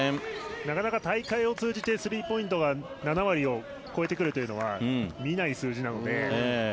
なかなか大会を通じてスリーポイントが７割を超えてくるというのは見ない数字なので。